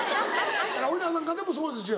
俺らなんかでもそうですよ。